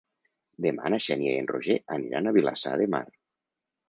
Demà na Xènia i en Roger aniran a Vilassar de Mar.